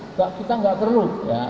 kita tidak perlu